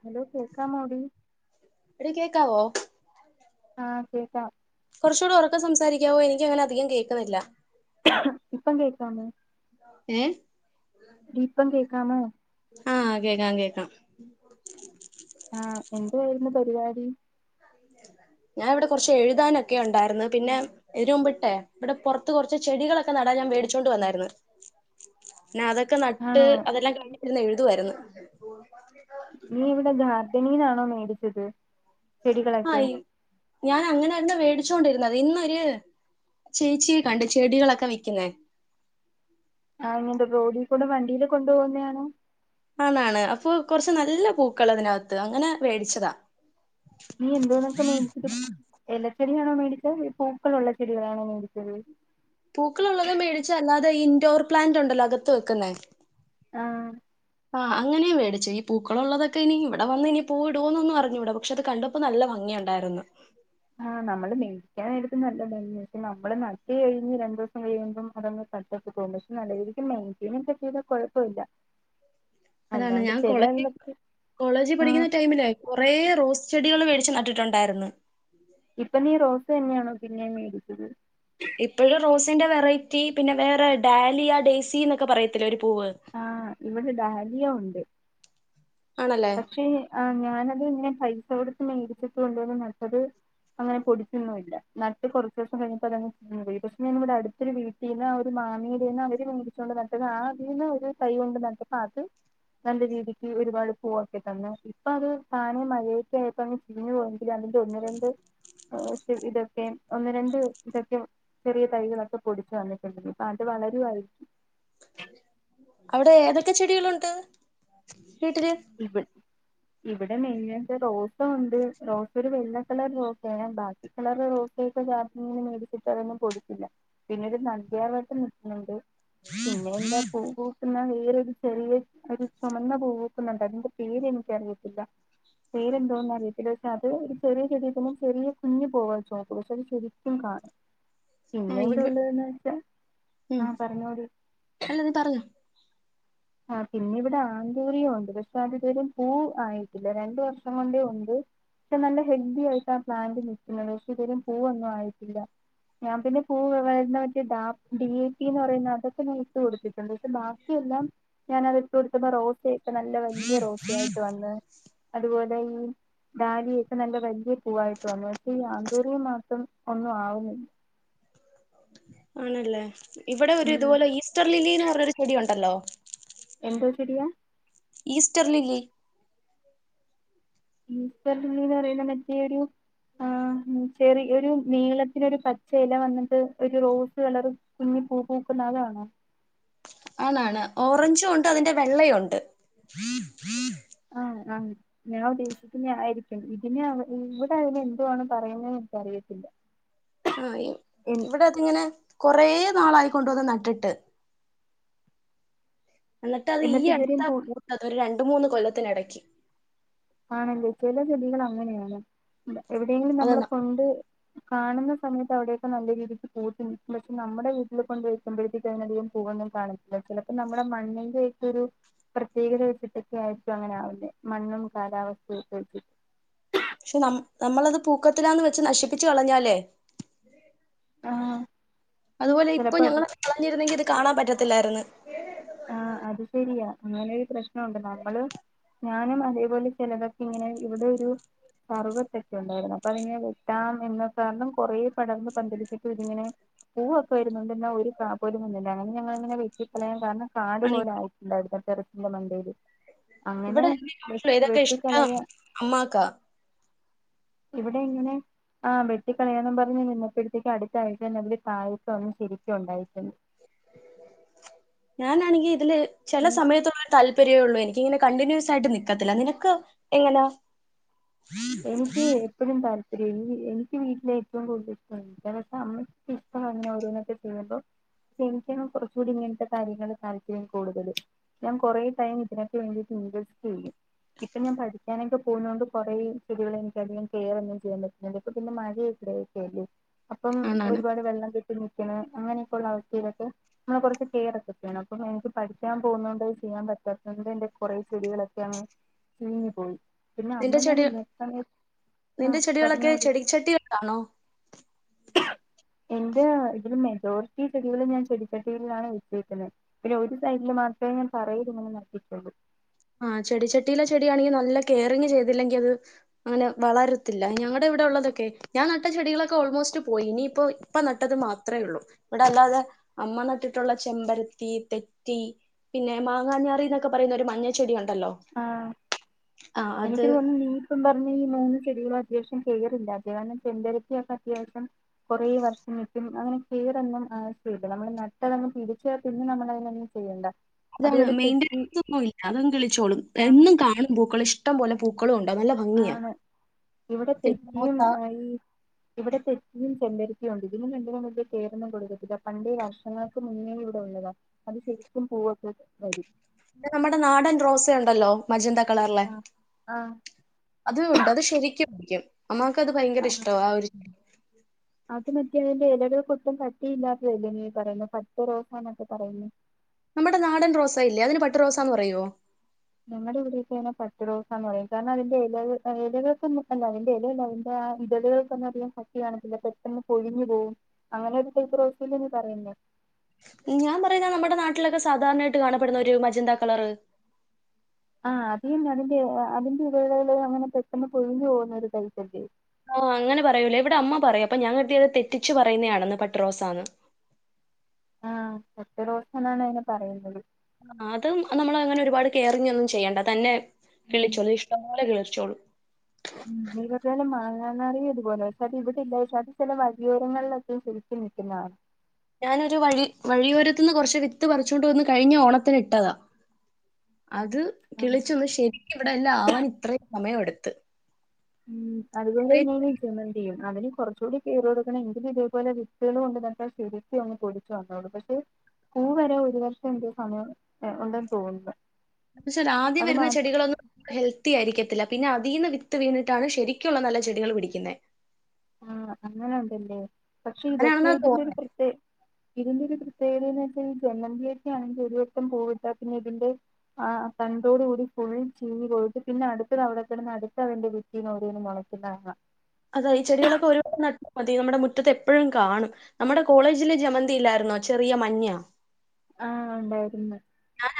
Hello കേക്കാമോടി? എടി കേക്കാവോ ആഹ് കേക്കാം കൊറച്ചൂടെ ഒറക്കെ സംസാരി കെക്കാവോ എനിക്കങ്ങനെ അധികം കേക്കണില്ല. ഇപ്പം കേക്കാമോ? ഏ? ടി പ്പം കേക്കാമോ? ആ കേക്കാം കേക്കാം. പരിവാടി? ഞാൻ ഇവടെ കൊറച്ച് എഴുതാനൊക്കെ ഒണ്ടാരുന്നു പിന്നെ എരുംമ്പട്ടെ ഇവിടെ പൊറത്ത് കൊറച്ച് ചെടികളൊക്കെ നടാ ഞാൻ വേടിച്ചോണ്ട് വന്നാര്ന്ന്‌. ന്നാതക്കെ നട്ട് ആണോ അതെല്ലാം കഴിഞ്ഞിരിന്ന് എഴുതുവാര്ന്ന്‌. നീ ഇവിടെ ഗാർഡനീന്നാണോ മേടിച്ചത്? ചെടികളൊക്കെ ആയി ഞൻ അങ്ങനന്നെ വേടി ച്ചോണ്ടിരുന്നത് ഇന്നൊര് ചേച്ചിയെ കണ്ട് ചെടികളക്കെ വിക്കുന്നേ. ആ ങ്ങിയൊണ്ട് റോഡിക്കൂടെ വണ്ടീല് കൊണ്ടോവുന്നെയാണോ? ആണാണ് അപ്പൊ കൊറച്ച് നല്ല പൂക്കളതിനാത്ത് അങ്ങനെ മേടിച്ചതാ. നീ എന്തോന്നൊക്കെ മേടിച്ചിട്ടും എല ചെടിയാണോ മേടി പൂക്കളൊള്ള ചെടികളാണോ മേടിച്ചത്? പൂക്കളൊള്ളത് മേടിച്ച് അല്ലാതെ ഇൻഡോർ പ്ലാന്റ് ഒണ്ടല്ലോ അകത്ത് വെക്കുന്നെ? ആ ആ അങ്ങനേ വേടിച്ച് ഈ പൂക്കളൊള്ളതൊക്കെ ഇനി ഇവിടെ വന്ന് ഇനി പൂ ഇടുവോന്നൊന്നു അറിഞ്ഞൂടാ പക്ഷെ അത് കണ്ടപ്പോ നല്ല ഭംഗ് യൊണ്ടാര്ന്ന്‌. ആ നമ്മള് മേിക്കാൻ നേരത്ത് നല്ലഭംഗിയ ഷെ നമ്മള് നട്ട് കഴിഞ്ഞ് രണ്ടുസം കഴിയുമ്പം അതങ്ങ് തട്ടൊക്കെ പോം പഷെ നല്ല രീതിക്ക് മെയിൻറ്റെനൊക്കെ ചെയ്ത കൊഴപ്പമില്ല. അതാണ് ഞാൻ കോളേ കോളേജി ആഹ് പഠിക്കുന്ന ടൈമിലേ കൊറേ റോസ് ചെടികള് വേടി ച്ച് നട്ടിട്ടൊണ്ടാര്ന്ന്‌. ഇപ്പം നീ റോസന്നെയാണോ പിന്നേം മേടിച്ചത്? ഇപ്പഴും റോസിന്റെ വെറൈറ്റി പിന്നെ വേറേ ഡാലിയ ഡേയ്സിന്നൊക്കെ പറയത്തില്ലേ ഒര് ആ ഇവിടെ ഡാലിയ ഒണ്ട്. ആണല്ലേ പക്ഷെ ആ ഞാനത് ങ്ങനെ പൈസ കൊടുത്ത് മേടിച്ചിട്ട് കൊണ്ടോന്ന്‌ നട്ടത് അങ്ങനെ പൊടിച്ചൊന്നുല്ല നട്ട് കൊറച്ചുസം കഴിഞ്ഞപ്പോ അതങ്ങ് ചീഞ്ഞുപോയി പഷെ ഞാൻ ഇവിടടുത്തൊരു വീട്ടീന്ന്‌ ആ മീടെന്ന് അവര് മേടിച്ചോണ്ട് നട്ടത് ആതീന്ന് ഒരു തൈ കൊണ്ട് നട്ടപ്പ അത് നല്ല രീതിക്ക് ഒരുപാട് തന്നെ ഇപ്പ അത് താനെ മഴേക്ക ആയപ്പോ അങ്ങ് ചിഞ്ഞു പോയെങ്കിലതിന്റെ ഒന്ന് രണ്ട് [unintelligible] ഇതെക്കെ ഒന്ന് രണ്ട് ഇതെക്കെ ചെറിയ തൈകളൊക്കെ പൊടിച്ചു വന്നിട്ടുണ്ട് ഇപ്പാത് വളരുവാരിക്കും. അവിടെ ഏതൊക്കെ ചെടികളുണ്ട്? വീട്ടില് റിബൺ ഇവിടെ മെയിനായിട്ട് റോസ് ഒണ്ട് റോസ് ഒരു വെള്ള കളർ റോസാണെ ബാക്കി കളർ റോ ചെടിയൊക്കെ [unintelligible] മേടിച്ചിട്ട് അതൊന്നും കൊടുത്തില്ല പിന്നൊരു നന്ദ്യാർവട്ടം നിക്കു‌ന്നുണ്ട്. പിന്നെ എന്താ പൂ പൂക്കുന്ന വേറൊരു ചെറിയ ഒരു ചൊമന്ന പൂവു ക്കുന്നുണ്ടായിരുന്നു പേര് എനിക്ക് അറിയത്തില്ല. പേരേന്തോന്ന് അറിയത്തില്ല ഷെ അത് ഒര് ചെറിയ ചെടിവെക്കുമ്പം ചെറിയ കുഞ്ഞ് പൂവാ ചോപ്പ്‌ പഷെ അത് ശരിക്കും കാണും. ആ പിന്നെ ഇവ ഇവിടൊള്ളതെന്ന് വെച്ചാ ഉം ആ പറഞ്ഞോടി. അല്ല നീ പറഞ്ഞോ ആ പിന്നെ ഇവിടെ ആന്തൂറിയം ഒണ്ട് പഷെ അതിതുവരേം പൂ ആയിട്ടില്ല രണ്ട് വർഷം കൊണ്ടേ ഒണ്ട്. പഷെ നല്ല ഹെൽദി ആയിട്ട ആ പ്ലാന്റ് നിക്കുന്നത് പഷെ ഇതുവരെ പൂവൊന്നു ആയിട്ടില്ല. ഞാൻ പിന്നെ പൂ വരുന്ന മറ്റേ ടാ ഡി എ റ്റി എന്ന് പറയുന്ന അതൊക്കെ ഞാൻ ഇട്ട് കൊടുത്തിട്ട് ണ്ട് പഷെ ബാക്കിയെല്ലാം ഞാനത് ഇട്ട് കൊടുത്തപ്പ റോസയൊക്കെ നല്ല വെല്ല്യ റോസ ആയിട്ട് വന്ന്. അത്പോലെ ഈ ഡാലിയൊക്കെ നല്ല വലിയ പൂവായിട്ട് വന്നു പക്ഷേ ഈ ആന്തൂറിയം മാത്രം ഒന്നും ആവുന്നില്ല ആണല്ലേ ഇവിടെ ഒരു ഉം ഇതുപോലെ ഈസ്റ്റർ ലില്ലിന്ന് പറഞ്ഞൊരു ചെടിയ ഒണ്ടല്ലോ എന്തോ ചെടിയാ ഈസ്റ്റർ ലില്ലി ഈസ്റ്റർ ലില്ലിന്ന് പറയുന്ന മറ്റേഒരു ആ ചെറി ഒരു നീളത്തില് ഒരു പച്ച ഇല വന്നിട്ട് ഒരു റോസ് കളർ കുഞ്ഞ് പൂ പൂക്കുന്ന അതാണോ ആന്ന് ആണ് ഓറഞ്ചും ഉണ്ട് അതിന്റെ വെള്ളെ യൂണ്ട് ആ ആ ഞാൻ ഉദ്ദേശിക്കുന്ന ആയിരിക്കും ഇതിന് അവ ഇവിടെ അയ്ന് എന്തുആണ് പറയുന്നേന്ന് എനിക്കറിയത്തി ആ ഇവിടെ അത് ഇങ്ങനെ കൊറേ നാളായി കൊണ്ടവന്ന് നട്ടിട്ട് എന്നിട്ട് അത് ഈ അടുത്ത ഇതുവരെയും പൂ പൂത്തത് ഒരു രണ്ട് മൂന്ന് കൊല്ലത്തിന് എടക്ക് ആണല്ലേ ചില ചെടികൾ അങ്ങനെയാണ് എവിടെങ്കിലും നമ്മള് അതെന്നാ കൊണ്ട് കാണുന്ന സമയത്ത് അവിടെയൊക്കെ നല്ല രീതിക്ക് പൂത്ത് നിൽക്കും പക്ഷെ നമ്മുടെ വീട്ടില് കൊണ്ട് വെക്കുമ്പോഴ്ത്തേക്ക് അതിനധികം പൂ ഒന്നും കാണത്തില്ല ചിലപ്പോ നമ്മുടെ മണ്ണിന്റെയെക്കെ ഒരു പ്രത്യേകത വച്ചിട്ടൊക്കെ ആയിരിക്കും അങ്ങനെ ആവുന്നേ മണ്ണും കാലാവസ്ഥയും ഒക്കെ വച്ചിട്ട് പക്ഷെ ന നമ്മളത് പൂക്കത്തിലാന്ന് വെച്ച് നശിപ്പിച്ചു കളഞ്ഞാലേ ആഹ് അതുപോലെ ഇപ്പൊ ചിലപ്പോ അത് ഞങ്ങളത് കളഞ്ഞിരുന്നെങ്കി ഇത് കാണാൻ പറ്റത്തില്ലാരുന്നു അങ്ങനെ ഒരു പ്രശ്നഒണ്ട് നമ്മള് ഞാനും അതേപോലെ ചിലതൊക്കെ ഇങ്ങനെ ഇവിടെ ഒരു കർവത്തക്കെ ഉണ്ടാരുന്നു അപ്പൊ അതിങ്ങനെ വെട്ടാം എന്ന കാരണം കുറെ പടർന്ന് പന്തലിച്ചിട്ട് ഇതിങ്ങനെ പൂവൊക്കെ വരുന്നുണ്ട് എന്ന ഒരു കാ പോലും വന്നില്ല അങ്ങനെ ഞങ്ങളങ്ങനെ വെട്ടി കളയാൻ കാരണം കാട് ആണ് പോലെ ആയിട്ടുണ്ടായിട്ടുണ്ടാരുന്നു ടെറസിന്റെ മണ്ടേല് അങ്ങനെ ഇവിടെ വെ ഇതൊക്കെ ഇഷ്ടം വെട്ടിക്കളയ അമ്മാക്കാ ഇവിടെ എങ്ങനെ ആ വെട്ടിക്ക കളയാന്നും പറഞ്ഞഞ് നിന്നപ്പോഴ്ത്തേക്ക് അടുത്ത ആഴ്ചതന്നെ അതില് കായക്ക വന്നു ശരിക്കും ഉണ്ടായിട്ടുണ്ട് ഞാനാണെങ്കിൽ ഇതില് ചില നിങ്ങ സമയത്തുള്ള ഒരു താല്പര്യ ഉള്ളൂ എനി ഇങ്ങനെ കണ്ടിന്യൂസ് ആയിട്ട് നിക്കത്തില്ല നിനക്ക് എങ്ങനാ എനിക്ക് എപ്പഴും താല്പര്യ എനിക്ക് വീട്ടില ഏറ്റവും കൂടുതൽ ഇഷ്ട ദിവസ അമ്മക്ക് അങ്ങനെ ഓരോന്നക്കെ ചെയ്തപ്പോ പക്ഷെ എനിക്കാണ് കുറചൂടി ഇങ്ങനത്തെ കാര്യങ്ങൾ താല്പര്യം കൂടുതല് ഞാൻ കുറേ ടൈം ഇതിനൊക്ക വേണ്ടിട്ട് ഇൻവെസ്റ്റ്ചെയും ഇപ്പൊ ഞാൻ പഠിക്കാനൊക്കെ പോകുന്ന കൊണ്ട് കൊറെ ചെടികളെ എനിക്ക് അധികം കെയറൊന്നും ചെയ്യാൻ പറ്റുന്നില്ല ഇപ്പോ പിന്നെ മഴ ഇവിടെ ഒക്കെ അല്ലെ അപ്പം ആണാണ് ഒരുപാട് വെള്ളം കി ഒരുമിക്കണ് അങ്ങനെയൊക്കെയുള്ള അവസ്ഥ ഇയിലൊക്കെ നമ്മള് കുറച്ച് കെയറ ഒക്കെ ചെയ്യണം അപ്പ നമ്മുക്ക് പഠിക്കാൻ പോകുന്നോണ്ട് അത് ചെ യ്യാൻ പറ്റാതോണ്ട് എന്റെ കുറെ ചെടികളൊക്കെഅങ്ങ് ചുരുങ്ങി പോയി പിന്നെ നിന്റെ അമ്മ ഞാൻ ചെടി ഇതി നിന്റെ ചെടികളൊക്കെ ചെടി ചട്ടി വെക്കാണോ എന്റെ ഇതിലും മെജോറിറ്റി ചെടികളും ഞാൻ ചെടിചട്ടികളിലാണ് വച്ചേക്കുന്നേ പിന്നെ ഒരു സൈഡില് മാ ത്ര ഞാൻ തറയിൽ ഇങ്ങനെ നട്ടിട്ടൊളൂ ആ ചെടി ചട്ടയിലെ ചെടിയാണെങ്കി നല്ല കെയറിങ്ങ് ചെയ്തില്ലെങ്കിൽ അത് അങ്ങനെ വളരത്തില്ല ഞങ്ങടെ ഇവിടെ ഉള്ളതൊക്കെ ഞാൻ നട്ട ചെടികളൊക്കെ ഓൾമോസ്റ്റ് പോയി ഇനിയിപ്പോ ഇപ്പ നട്ടത് മാത്ര ഉള്ളൂ ഇവിടെ അല്ലാതെ അമ്മ നട്ടിട്ടുള്ള ചെമ്പരത്തി തെറ്റി പിന്നെ മാങ്ങാഞ്ഞാറി എന്നൊക്കെ പറയുന്ന ഒരു മഞ്ഞ ചെടി ഒണ്ടല്ലോ ആ എനിക്ക് തോന്നുന്നു നീ ഇപ്പം പറഞ്ഞ ഈ മൂന്ന് ചെടികളൊക്കെ ശം കെയറില്ല ധ്യാനം ചെന്തരത്തിയൊക്കെ അത്യാവശ്യം കുറേ വർഷം നിക്കും അങ്ങനെ കേടൊന്നും അ ആവശ്യയില്ല നമ്മള് നട്ടതങ് പിടിച്ച പിന്നെ നമ്മൾതിനൊന്നും ചെയ്യണ്ട അതാണ് അതുപോലെ തെച്ചി മെയിന്റനൻസ് ഒന്നുംഇല്ല അത് അങ്ങുകിളിച്ചോളൂ ആഹ് എന്നും കാണും പൂക്കൾ ഇഷ്ടംപോലെ പൂക്കളും ഉ ആണ് ഇവിടെ പിന്നെ തെച്ചിയും റോസ ഈ ഇവിടെ തെച്ചിയും ചെല്ല യുണ്ട് ഇതിനുരണ്ടിനും വലിയ കെയറൊന്നും കൊടുക്കത്തിട്ടില്ല പണ്ടേ വർഷങ്ങൾക്ക് മുന്നേ ഇവിടെ ഉള്ളതാ അത് ശരിക്കും പൂവൊക്കെ വരും നമ്മുടെ നാടൻ റോസ ഉണ്ടല്ലോ മജന്ത കളറുള്ളെ ആഹ് ആഹ് അത് ഉണ്ട് അത് ശരിക്കും പിടിക്കും അമ്മമാക്ക് അത് ഭയങ്കര ഇഷ്ട ആഹ് ആ ഒരു അത് മറ്റേ അതിന്റെ ഇലകൾക്ക് ഒട്ടും കട്ടിയില്ലാത്തതല്ലേ നീ ഈ പറയുന്ന പട്ട് റോസാനൊക്കെ പറയുന്ന നമ്മുടെ നാടൻ റോസയില്ലേ അതിന് പട്ട് റോസാന്ന് പറയോ ഞങ്ങളിവിടേക്കെ പട്ടുറോസന്ന് പറയും കാരണം അതിന്റെ ഇല ഇലകൾ അല്ല അതിന്റെ ഇലല്ല അതിന്റെ ഇതാലുകൾക്കൊന്നും അധികം കട്ടി കാണത്തില്ല പെട്ടെന്ന് പൊഴിഞ്ഞു പോവും അങ്ങനെ ഒരു സൈസ് റോസല്ലേ നീ പറയുന്നേ [inaudible] ഞാൻ പറയുന്ന നമ്മുടെ നാട്ടിലൊക്കെ സാധാരണയായിട്ട് കാണപ്പെടുന്ന ഒരു മജന്ത കളറ് ആ അതന്നെ അതിന്റെ അതിന്റെ ഇതലുകള് അങ്ങനെ പെട്ടെന്ന് പൊഴിഞ്ഞു പോകുന്നൊരു ടൈപ്പല്ലേ ആ അങ്ങനെ പറയൂലേ ഇവിടെ അമ്മ പറയും അപ്പൊ ഞാൻ കരുതിയത് തെറ്റിച്ചു പറയുന്നതാണന്ന് പട്ടുറോസയന്ന് ആ ഒറ്റ ദോസനാണ് അതിനെപറയുന്നത് ആ അതും നമ്മൾ അങ്ങനെ ഒരുപാട് കെയറിങ് ഒന്നും ചെയ്യേണ്ട തന്നെ കിളിച്ചോളും ഇഷ്ടംപോലെ കിളി ച്ചോളും ഉം [unintelligible] മാങ്ങ നാറി ഇതുപോലെ പക്ഷെ അത് ഇവിടെല്ല പക്ഷെ അത് ചില വലിയോരങ്ങളിലൊക്കെയും കിളിച് നിൽക്കുന്നത് കാണ ഞാനൊരു വഴി വഴിയോരത്ത് നിന്ന് കുറച്ച് വിത്ത് പറിച്ചൊണ്ട് വന്ന് കഴിഞ്ഞ ഓണത്തിന് ഇട്ടതാ [inaudible] അത് കിളിച്ചൊന്ന് ശരിക്കും ഇവിടെ എല്ലാം ആവാൻ ഇത്രയും സമയം എടുത്ത് ഉം അതുപോലെന്നെയാണ് ജമന്തിയും അതിന് കുറച്ചുകൂടി കെയർ കൊടുക്കണം എങ്കിലും ഇതേപോലെ വിത്തുകളും കൊണ്ട് നട്ടാൽ ശരിക്കു അങ് പൊടിച്ചു വന്നോളും പക്ഷെ പൂ വരെ ഒരു വർഷം എന്ത്യോ സമയം ഉണ്ടെന്ന് തോന്നുന്നു എന്നുവാച്ചാൽ ആദ്യം അത് വരുന്ന മാ ചെടികളൊന്നും ഹെൽത്തി ആയിരിക്കത്തില്ല പിന്നെ അതിൽ നിന്ന് വിത്ത് വീണിട്ടാണ് ശരിക്കുള്ള നല്ല ചെടികൾ പിടിക്കുന്നത് ആ അങ്ങനെണ്ടല്ലേ പക്ഷെ അങ്ങനെയാണെന്നാ ഇതൊക്കെ തോന്നുന്നത്. ഇതിന്റെരു പ്രത്യ ഇതിന്റെരു പ്രത് പ്രത്യേകതന്ന് വെച്ച ഈ ജമന്തി ഒക്കെ ആണെങ്കിൽ ഒരുവട്ടം പൂവിട്ട പിന്നെ ഇതിന്റെ ആ തണ്ടോടുകൂടി ചീഞ് പോയിട്ട് പിന്നെ അടുത്ത [unintelligible] അതാ ഈ ചെടികളൊക്കെ ഒരുവട്ടം നട്ടാ മതി നമ്മുടെ മുറ്റത്ത് എപ്പോഴും കാണും നമ്മുടെ കോളേജിലെ ജമന്തി ഇല്ലായിരുന്നോ ചെറിയ മഞ്ഞ ആ ഉണ്ടായിരുന്ന്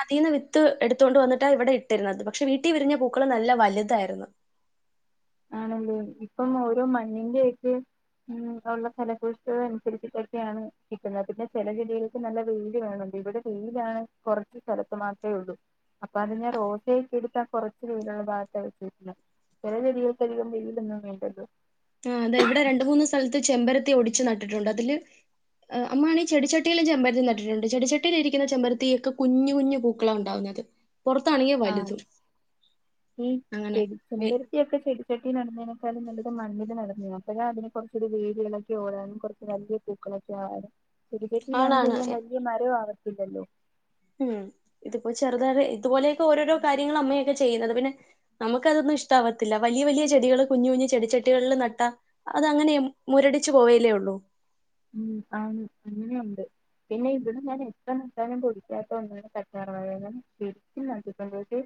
അതിന്ന് വിത്ത് എടുത്തുകൊണ്ട് വന്നിട്ടാണ് ഇവിടെ ഇട്ടിരുന്നത് പക്ഷെ വീട്ടിൽ വിരിഞ്ഞ പൂക്കള് നല്ല വലുതായിരുന്നു ആണല്ലേ ഇപ്പം ഓരോ മണ്ണിന്റെയൊക്കെ ഉം ഉള്ള ഫലഭുഷ്ട്ടത അനുസരിച്ചിട്ടൊക്കെയാണ് കിട്ടുന്നത് പിന്നെ ചില ചെടികൾക്ക് നല്ല വെയില് വേണം ഇവിടെ വെയിലാണ് കുറച്ച് സ്ഥലത്ത് മാത്രമേ ഉള്ളൂ അപ്പൊ അത് ഞാ റോസയൊക്കെ എടുത്താ കൊറച്ച് വെയിലുള്ള ഭാഗത്ത് വെച്ചിരുന്ന് ചില ചെടി അധികം വെയിലൊന്നും വേണ്ടല്ലോ ആ അതെ ഇവിടെ രണ്ട് മൂന്ന് സ്ഥലത്ത് ചെമ്പരത്തി ഓടിച്ച് നട്ടിട്ടുണ്ട് അതില് അ അമ്മയാണെങ്കിൽ ചെടിച്ചട്ടിയിലും ചെമ്പരത്തി നട്ടിട്ടുണ്ട് ചെടിച്ചട്ടിയിലിരിക്കുന്ന ചെമ്പരത്തിയൊക്കെ കുഞ്ഞുകുഞ്ഞു പൂക്കളഉണ്ടാവുന്ന് ന്നത് ആ ഈ അങ്ങനെ. ചെടി വെ ചെമ്പരത്തിയൊക്കെ ചെടിച്ചട്ടി നടുന്ന തിലും നല്ലത് മണ്ണിൽ നടുന്നത അപ്പഴാ അതിന് കുറച്ചൂടെ വേടികളൊക്കെ ഓടാനും കുറച്ച് വലിയ പൂക്കളൊക്കെ ആവനും ചെടിച്ചട്ടിയിലാണെങ്കിൽ ആണാണ് അധികം വലിയ മരവും ആവത്തില്ലല്ലോ ഉം ഇതിപ്പോ ചെറുത ഇതുപോലെയൊക്കെ ഓരോരോ കാര്യങ്ങള അമ്മയൊക്കെ ചെയ്യുന്നത് പിന്നെ നമുക്കതോന്ന് ഇഷ്ട്ടാവത്തില്ല വലിയ വലിയ ചെടികൾ കുഞ്ഞു കുഞ്ഞു ചെടിച്ചെടികളിൽ നട്ടാ അത് അങ്ങനെ മുരടിച്ചു പോവയല്ലേ യൊള്ളു ഉം ആണ് അങ്ങനെയുണ്ട് പിന്നെ ഇവിടെ ഞാൻ എത്ര നട്ടാലും പൊടിക്കാത്ത ഒന്നാണ് കറ്റാർവാഴയില ശരിക്കും നട്ടിട്ടുണ്ട്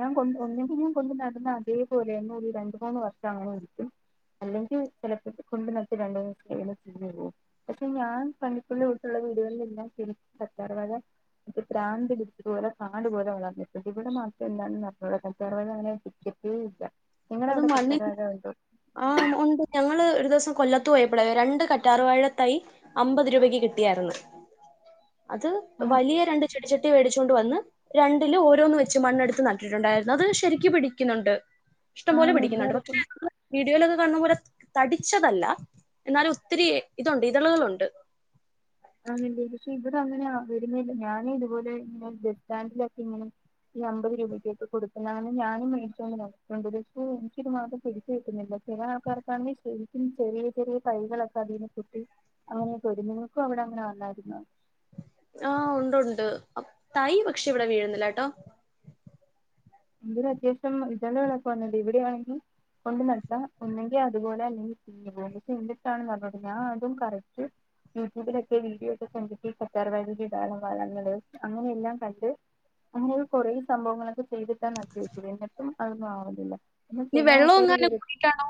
ഞാൻ കൊണ്ട് ഒന്ന്കിൽ ഞാൻ കൊണ്ട് നടന്ന അതേപോലെ എന്നെ ഒരു രണ്ട് മൂന്ന് വർഷം അങ്ങനെഎടുതു അല്ലെങ്കി ചെലപ്പൊ കൊണ്ട് നടത്തി രണ്ടൂന്നിസം കയ്യുമ്പൊ കൊണ്ട് പോവും പഷെ ഞാൻ കണ്ടിട്ടുള്ള ഇവ്ട്തുള്ള വീടുകളിലെല്ലാം ശരിക് കറ്റാർ വാഴ പ്രാന്ത്ട് കാട് പോലെ വളർന്നിട്ടും ഇവ്ടെ മാത്രം എന്താണെന്ന റിഞ്ഞൂടങ്ങനെ കറ്റാർ വാഴ [unintelligible] അത് മണ്ണി ആഹ് ഒണ്ട് ഞങ്ങള് ഒര് ഒരു ദിവസം കൊല്ലത്ത് പോയപ്പഴെ രണ്ട് കറ്റാർവാഴതൈ അമ്പത് രൂപയ്ക്ക് കിട്ടിയാര്ന്ന്. അത് വലിയ രണ്ട് ചെടിച്ചട്ടി വേടിച്ച് കൊണ്ട് വന്ന് രണ്ടിലും ഓരോന്ന് വെച്ച് മണ്ണെടുത്ത് നട്ടിട്ട്ണ്ടായിരുന്നു, അത് ശരിക്ക് പിടിക്കുന്നുണ്ട്. ഇഷ്ടം പോലെ ആണ് പിടിക്ക്ന്നുണ്ട്, എല്ലായിടത്തും പക്ഷേ വീഡിയോലത് കാണ്ന്ന പോലെ തടിച്ചതല്ല, എന്നാലും ഒത്തിരി ഇതൊണ്ട് ഇതളുകളുണ്ട്. [unintelligible] പക്ഷേ ഇവ്ടങ്ങനെ ആ വരുന്നേയില്ല ഞാന് ഇതുപോലെ ഇങ്ങനെ ബസ്റ്റാൻഡിലൊക്കെ ഇങ്ങനെ ഈ അമ്പത് രൂപയ്ക്കൊക്കെ കൊടുക്കുന്ന [unintelligible] ഞാനും മേടിച്ചൊന്ന് നോക്കി [unintelligible] മാസം പിടിച്ച് വെക്ക്ന്നില്ല. ചെല ആൾക്കാർക്കാണെങ്കി ശെരിക്കും ചെറിയ ചെറിയ തൈകളൊക്കെ അതീന്ന് പൊട്ടി [unintelligible] പ അവ്ടങ്ങനെ വന്നാരുന്നോ? ആഹ് ഉണ്ട്ണ്ട് തൈ പക്ഷേ ഇവ്ടെ വീഴുന്നില്ലാട്ടോ. ഇതിനത്യാവശ്യം ജലവളൊക്കെ [unintelligible] ഇവിടെയാണെങ്കി കൊണ്ട് നട്ടാ ഒന്നെങ്കി അത്പോലെ അല്ലെങ്കി ചീഞ്ഞ് പോകും, ചീഞ്ഞിട്ടാണ് നടുന്നത്, ഞാൻ അതും കറക്റ്റ് യൂട്യൂബിലൊക്കെ വീഡിയോ ഒക്കെ കണ്ടിട്ട് കറ്റാർ വാഴ വിടാലൊ [unintelligible] അങ്ങനെയെല്ലാം കണ്ട് അങ്ങനെയൊ കൊറെ സംഭവങ്ങളൊക്കെ ചെയ്തിട്ടാണ് നട്ടു പിടിപ്പിക്കുന്ന എന്നിട്ടും അതൊന്നും ആവ്ന്നില്ല. ഇനി വെള്ളോവങ്ങാനും കൂടിട്ടാണോ?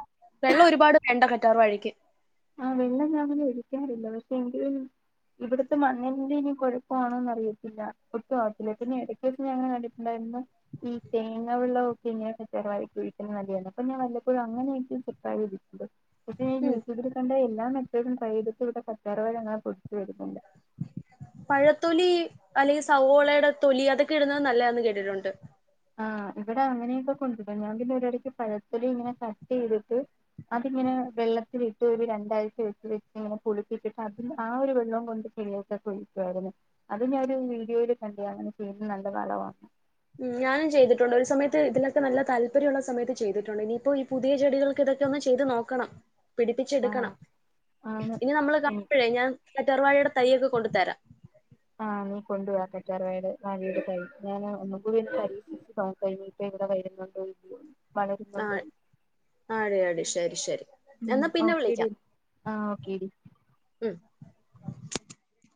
വെള്ളോ ഒരുപാട് വേണ്ട കറ്റാർ വാഴക്ക്. ആ വെള്ളം ഞാ അങ്ങനെ ഒഴിക്കാറില്ല, പക്ഷേ എങ്കിലും ഇവിടത്തെ മണ്ണിന്റെ ഇനി കൊഴപ്പാണോന്ന് അറിയത്തില്ല, ഒട്ടുവാവത്തില്ല, പിന്നെ ഇടയ്ക്കൊര്സം ഞാൻ അങ്ങനെ കണ്ടിട്ട് ഇണ്ടായിരുന്നു ഈ തേങ്ങ വെള്ളവൊക്കെ ഇങ്ങനെ ചെരവാ വച് [unintelligible] അപ്പ ഞാ വല്ലപ്പോഴും അങ്ങനെയാരിക്കും [unintelligible] ഉം ടെ എല്ലാ മെതേടും ട്രൈ ചെയ്യ്തിട്ട് ഇവടെ കറ്റാർവാഴ [unintelligible] വരുന്നില്ല. പഴത്തൊലീ അല്ലെങ്കി സവോളയുടെ തൊലി അതൊക്കെ ഇടുന്നത് നല്ലേ ആണെന്ന് കേട്ടിട്ടുണ്ട്. ആഹ് ഇവടെ അങ്ങനെയൊക്കെ [unintelligible] ഞാൻ പിന്നെ ഒരടിയ്ക്ക് പഴത്തൊലിയിങ്ങനെ കട്ടീത്ട്ട് അതിങ്ങനെ വെള്ളത്തിലിട്ട് ഒരു രണ്ടാഴ്ച വെച്ച് വെച്ചിങ്ങനെ പുളിപ്പിച്ചിട്ട് അതിന്റെ ആ ഒരു വെള്ളോ കൊണ്ട് [unintelligible] ഒക്കെ കുഴിക്കായിരുന്നു, അത് ഞാനൊരു വീഡിയോല് കണ്ടെയ, അങ്ങനെ ചെയ്യുന്നത് നല്ല വളവാന്ന്. ഞാനും ചെയ്തിട്ടുണ്ട്, ഒരു സമയത്ത് ഇതിലൊക്കെ നല്ല താല്പര്യുള്ള സമയത്ത് ചെയ്തിട്ടുണ്ട്, ഇനിയിപ്പോ ഈ പുതിയ ചെടികൾക്കിതൊക്കെ ഒന്ന് ചെ ചെയ്ത് നോക്കണം, ആഹ് പിടിപ്പിച്ചെടുക്കണം, ആണ് ഇനി നമ്മള് ഉം കാണുമ്പഴെ ഞാൻ കറ്റാർ വാഴയുടെ തൈയ്യൊക്കെ കൊണ്ട് തരാം. ആഹ് നീ കൊണ്ട് വാ കറ്റാർവാഴേടെ വാഴെടെ തൈ, ച്ച് ഞാനാ ഒന്ന് കൂടി ഒന്ന് പരീക്ഷി നോക്കാര്ന്നു, ഇപ്പെ ഇവ്ടെ വരുന്നുണ്ടോ? ഇ വളരുന്നുണ്ടോ? ആഹ് ആടി ആടി ശരി ശരി മ് എന്നാ പിന്നെ ഓക്കെടി, വിളിക്കാം ആഹ് ഓക്കെടി. ഉം